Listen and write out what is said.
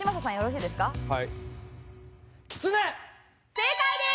正解です！